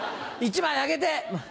１枚あげて。